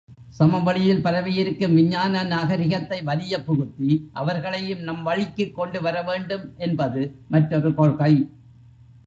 சமவெளியில் பரவியிருக்கும் விஞ்ஞான நாகரிகத்தை வலியப் புகுத்தி, அவர்களையும் நம் வழிக்குக் கொண்டு வரவேண்டும் என்பது மற்றொரு கொள்கை.